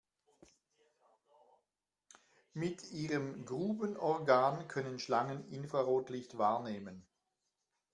Mit ihrem Grubenorgan können Schlangen Infrarotlicht wahrnehmen.